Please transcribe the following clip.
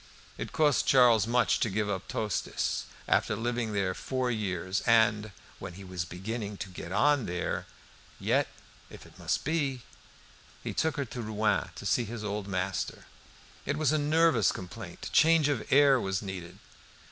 It cost Charles much to give up Tostes after living there four years and "when he was beginning to get on there." Yet if it must be! He took her to Rouen to see his old master. It was a nervous complaint: change of air was needed.